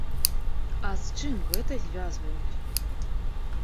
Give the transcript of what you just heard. А з чым гэта звязваюць?